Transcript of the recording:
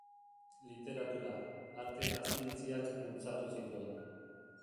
Literatura, arte eta zientziak bultzatu zituen.